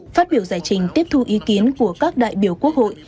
phát biểu giải trình tiếp thu ý kiến của các đại biểu quốc hội